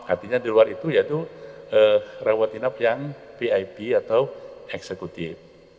artinya di luar itu yaitu rawat inap yang vip atau eksekutif